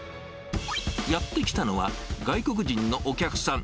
やって来たのは、外国人のお客さん。